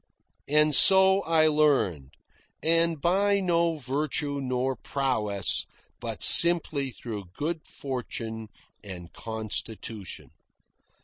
And so I learned; and by no virtue nor prowess, but simply through good fortune and constitution.